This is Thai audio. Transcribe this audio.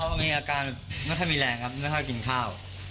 ก็มีอาการไม่ค่อยมีแรงครับไม่ค่อยกินข้าว